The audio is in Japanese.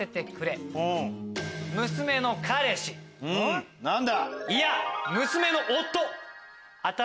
うん！何だ？